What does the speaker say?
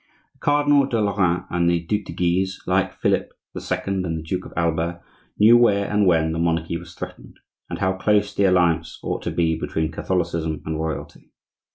The Cardinal de Lorraine and the Duc de Guise, like Philip the Second and the Duke of Alba, knew where and when the monarchy was threatened, and how close the alliance ought to be between Catholicism and Royalty.